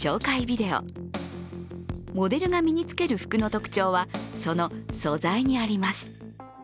ビデオモデルが身につける服の特徴はその素材にあります。